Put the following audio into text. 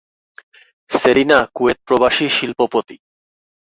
Selina Kuwait প্রবাসী শিল্পপতি।